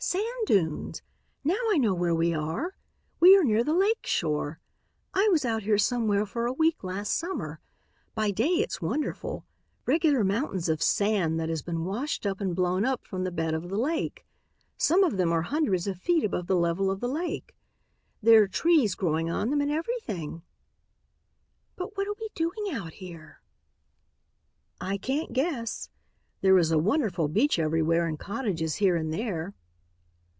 Sand dunes! Now I know where we are. We are near the lake shore. I was out here somewhere for a week last summer. By day it's wonderful; regular mountains of sand that has been washed up and blown up from the bed of the lake. Some of them are hundreds of feet above the level of the lake. There are trees growing on them and everything." "But what are we doing out here?" "I can't guess. There is a wonderful beach everywhere and cottages here and there."